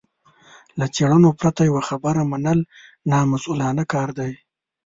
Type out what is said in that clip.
له څېړنې پرته يوه خبره منل نامسوولانه کار دی.